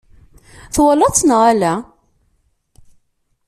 Twalaḍ-tt neɣ ala?